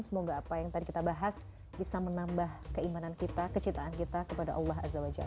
semoga apa yang tadi kita bahas bisa menambah keimanan kita kecintaan kita kepada allah azza wa jal